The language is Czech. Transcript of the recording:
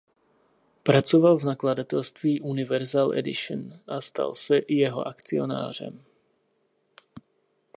Pracoval v nakladatelství Universal Edition a stal se i jeho akcionářem.